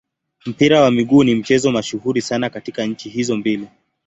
Mpira wa miguu ni mchezo mashuhuri sana katika nchi hizo mbili.